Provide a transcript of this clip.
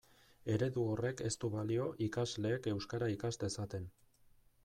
Eredu horrek ez du balio ikasleek euskara ikas dezaten.